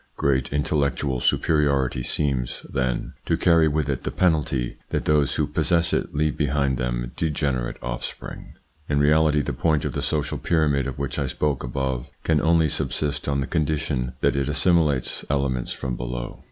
Great intellectual superiority seems, then, to carry with it the penalty that those who possess it leave behind them degenerate offspring. In reality the point of the social pyramid of which I spoke above can only subsist on the condition that it assimilates elements from below.